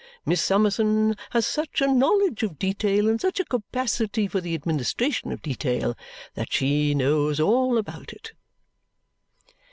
Miss Summerson has such a knowledge of detail and such a capacity for the administration of detail that she knows all about it."